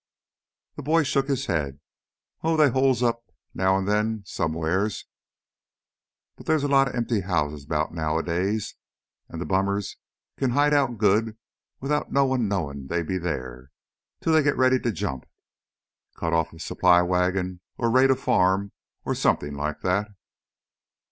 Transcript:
The boy shook his head. "Oh, they holes up now an' then somewheahs. But they's a lotta empty houses 'bout nowadays. An' the bummers kin hide out good without no one knowin' they be theah till they git ready to jump. Cut off a supply wagon or raid a farm or somethin' like that."